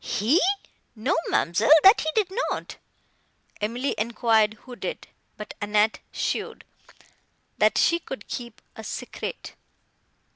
"He! No, ma'amselle, that he did not." Emily enquired who did, but Annette showed, that she could keep a secret.